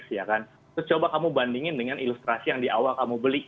terus coba kamu bandingin dengan ilustrasi yang di awal kamu beli